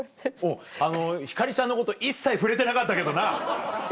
あの星ちゃんのこと一切触れてなかったけどな。